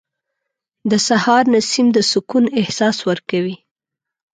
• د سهار نسیم د سکون احساس ورکوي.